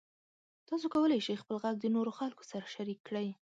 تاسو کولی شئ خپل غږ د نورو خلکو سره شریک کړئ.